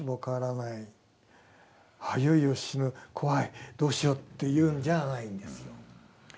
ああいよいよ死ぬ怖いどうしようというんじゃないんですよ。